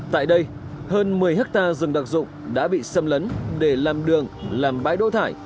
tại đây hơn một mươi hectare rừng đặc dụng đã bị xâm lấn để làm đường làm bãi đỗ thải